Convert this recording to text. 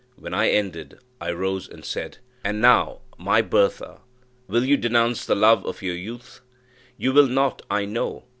When I ended I rose and said, "And now, my Bertha, will you denounce the lover of your youth? You will not, I know.